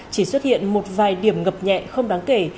chỉ xuất hiện một vài điểm ngập nhẹ không đáng kể